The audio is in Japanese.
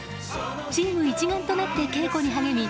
チーム一丸となって稽古に励み